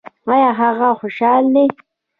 ایا هغه خوشحاله دی؟